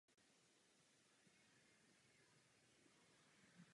Okolí areálu bylo upraveno jako park.